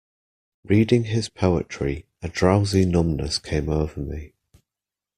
Reading his poetry, a drowsy numbness came over me.